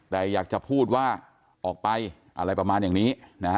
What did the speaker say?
แต่อยากจะพูดว่าออกไปอะไรประมาณอย่างนี้นะฮะ